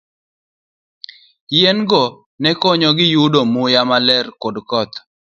Yien go ne konyogi yudo muya maler kod koth.